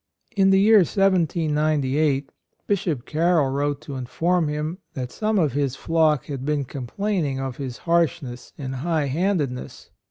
In the year 1798 Bishop Carroll wrote to inform him that some of his flock had been complaining of his harsh ness and high handedness.